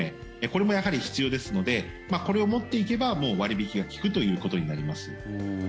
これもやはり必要ですのでこれを持っていけば割引が利くということになります。